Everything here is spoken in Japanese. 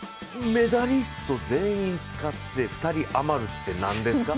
メダリスト全員使って、２人余るって何ですか？